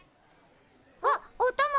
あっおたま。